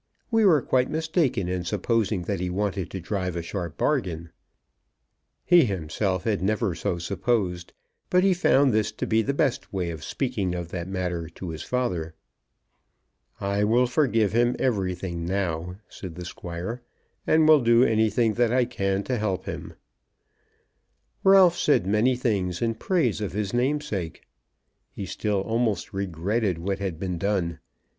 We were quite mistaken in supposing that he wanted to drive a sharp bargain." He himself had never so supposed, but he found this to be the best way of speaking of that matter to his father. "I will forgive him everything now," said the Squire, "and will do anything that I can to help him." Ralph said many things in praise of his namesake. He still almost regretted what had been done.